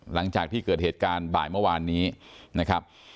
หลังจากที่เกิดเหตุการณ์บ่ายเมื่อวานนี้นะครับ